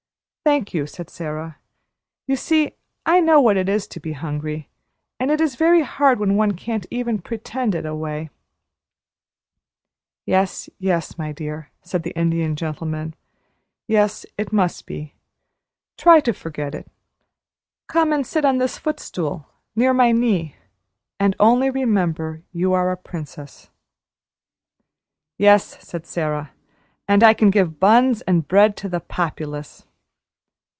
"Thank you," said Sara; "you see I know what it is to be hungry, and it is very hard when one can't even pretend it away." "Yes, yes, my dear," said the Indian Gentleman. "Yes, it must be. Try to forget it. Come and sit on this footstool near my knee, and only remember you are a princess." "Yes," said Sara, "and I can give buns and bread to the Populace."